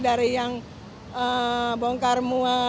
dari yang bongkar mua